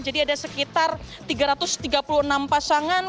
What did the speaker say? jadi ada sekitar tiga ratus tiga puluh enam pasangan